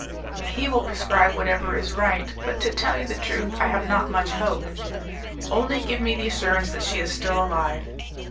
He will prescribe whatever is right, but to tell you the truth I have not much hope." "Only give me the assurance that she is still alive."